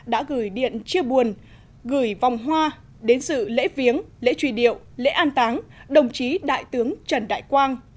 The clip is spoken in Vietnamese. đã gửi điện chia buồn gửi vòng hoa đến sự lễ viếng lễ truy điệu lễ an táng đồng chí đại tướng trần đại quang